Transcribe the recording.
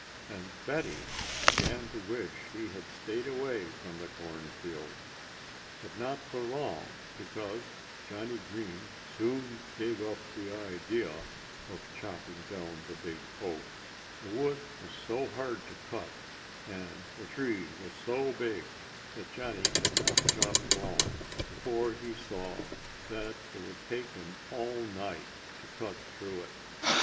And Fatty began to wish he had stayed away from the cornfield. But not for long, because Johnnie Green soon gave up the idea of chopping down the big oak. The wood was so hard to cut, and the tree was so big, that Johnnie had not chopped long before he saw that it would take him all night to cut through it.